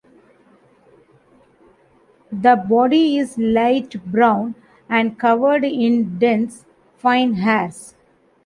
The body is light brown and covered in dense, fine hairs.